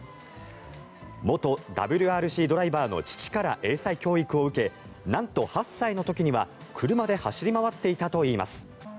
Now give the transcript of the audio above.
元ＷＲＣドライバーの父から英才教育を受けなんと８歳の時には車で走り回っていたといいます。